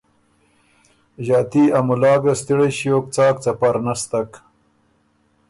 ݫاتي ا مُلا ګه ستړئ ݭیوک څاک څپر نستک۔